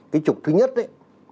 cái trục thứ nhất ấy